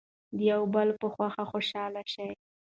د یو بل په خوښۍ خوشحاله شئ.